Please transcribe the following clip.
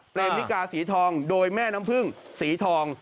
นิกาสีทองโดยแม่น้ำพึ่งสีทอง